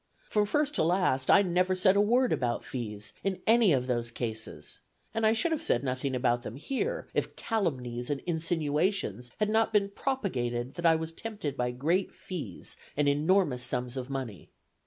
From first to last I never said a word about fees, in any of those cases, and I should have said nothing about them here, if calumnies and insinuations had not been propagated that I was tempted by great fees and enormous sums of money.